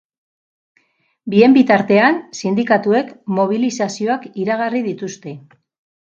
Bien bitartean, sindikatuek mobilizazioak iragarri dituzte.